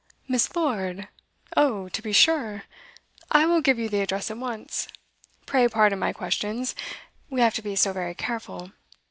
'Miss. Lord! Oh, to be sure; I will give you the address at once. Pray pardon my questions; we have to be so very careful.